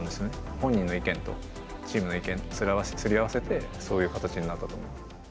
本人の意見と、チームの意見、すり合わせてそういう形になったと思います。